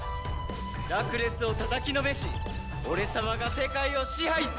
ラクレスをたたきのめし俺様が世界を支配する！